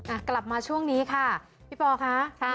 อ่ะกลับมาช่วงนี้ค่ะพี่ปอคะ